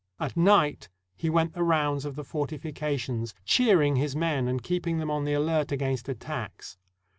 At night he went the rounds of the fortifications, cheering his men and keep ing them on the alert against attacks.